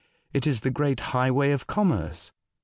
It is the great high way of commerce.